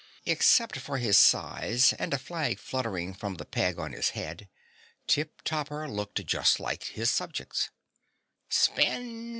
Except for his size and a flag fluttering from the peg on his head, Tip Topper looked just like his subjects. "Spin!